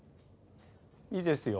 いいですよ。